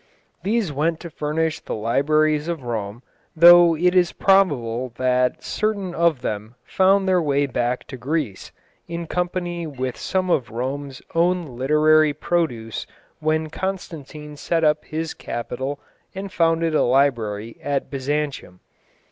These went to furnish the libraries of Rome, though it is probable that certain of them found their way back to Greece in company with some of Rome's own literary produce when Constantine set up his capital and founded a library at Byzantium.